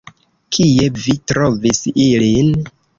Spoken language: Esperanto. Kie vi trovis ilin?